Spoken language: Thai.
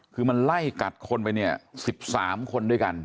คือมันไล่กัดคนไปเนี่ย๑๓คนด้วยกัน